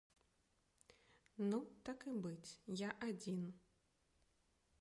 Ну, так і быць, я адзін.